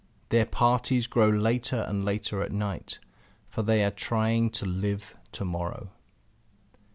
Their parties grow later and later at night; for they are trying to live to morrow.